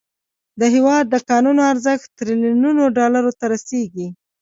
د هیواد د کانونو ارزښت تریلیونونو ډالرو ته رسیږي.